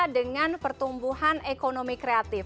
dengan pertumbuhan ekonomi kreatif